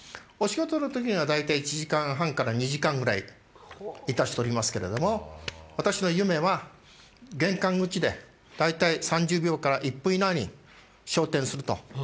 ・お仕事の時には大体１時間半から２時間ぐらいいたしておりますけれども私の夢は玄関口で大体３０秒から１分以内に昇天すると。